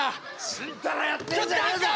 ちんたらやってんじゃねえぞ！